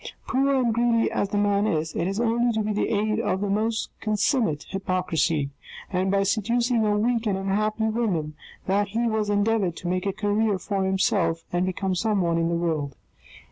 Poor and greedy as the man is, it is only by the aid of the most consummate hypocrisy, and by seducing a weak and unhappy woman, that he has endeavoured to make a career for himself and become someone in the world.